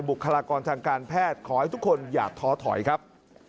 บุคลากรทางการแพทย์ขอให้ทุกคนอย่าท้อถอยครับ